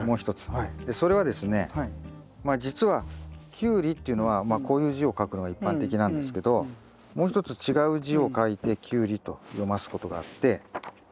それはですねまあじつはキュウリっていうのはまあこういう字を書くのが一般的なんですけどもう一つ違う字を書いてキュウリと読ますことがあって。